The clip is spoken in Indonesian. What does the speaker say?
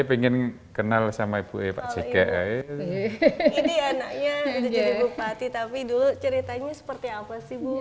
ingin kenal sama ibu e pak cek ini anaknya jadi bupati tapi dulu ceritanya seperti apa sih bu